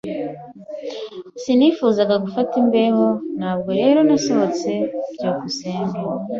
Sinifuzaga gufata imbeho, ntabwo rero nasohotse. byukusenge